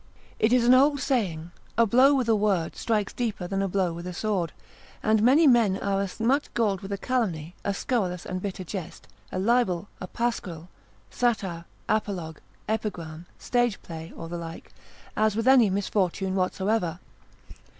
It is an old saying, A blow with a word strikes deeper than a blow with a sword: and many men are as much galled with a calumny, a scurrilous and bitter jest, a libel, a pasquil, satire, apologue, epigram, stage play or the like, as with any misfortune whatsoever.